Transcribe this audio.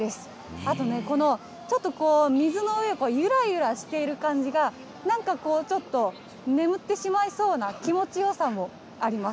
あとね、このちょっと、水の上、ゆらゆらしている感じが、なんかこうちょっと、眠ってしまいそうな気持ちよさもあります。